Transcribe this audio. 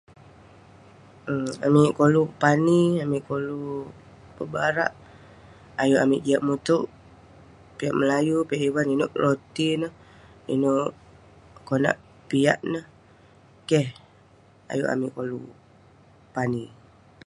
um Amik koluk pani, amik koluk pebarak. Ayuk amik jiak mutouk, piak melayu, piak ivan ; inouk kek roti neh. Inouk, konak piak neh. Keh ayuk amik koluk pani.